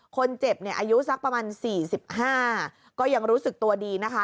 คนเจ็บเนี่ยอายุสักประมาณ๔๕ก็ยังรู้สึกตัวดีนะคะ